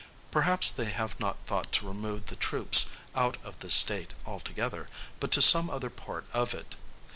Perhaps they have not thought to remove the troops out of this State altogether, but to some other part of it.